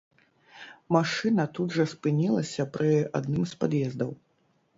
Машына тут жа спынілася пры адным з пад'ездаў.